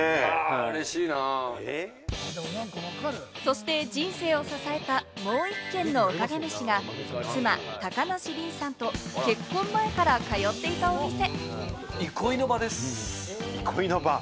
そして人生を支えた、もう１軒のおかげ飯が妻・高梨臨さんと結婚前から通っていたお店。